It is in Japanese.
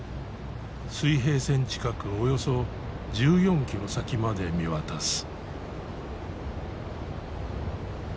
水平線近くおよそ１４キロ先まで見渡す。